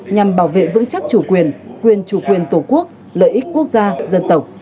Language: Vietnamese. nhằm bảo vệ vững chắc chủ quyền quyền chủ quyền tổ quốc lợi ích quốc gia dân tộc